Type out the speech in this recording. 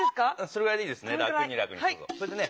それぐらいでいいですね。